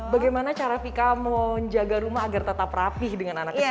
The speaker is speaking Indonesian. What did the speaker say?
bagaimana cara vika menjaga rumah agar tetap rapih dengan anak kecil